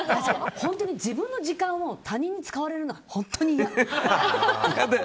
本当に自分の時間を他人に使われるのが嫌！